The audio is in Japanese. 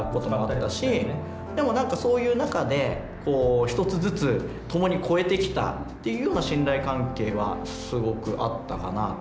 でも何かそういう中で一つずつ共に越えてきたっていうような信頼関係はすごくあったかなあと。